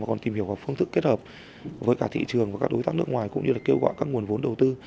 còn tìm hiểu và phương thức kết hợp với cả thị trường và các đối tác nước ngoài cũng như là kêu gọi các nguồn vốn đầu tư